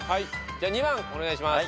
じゃあ２番お願いします。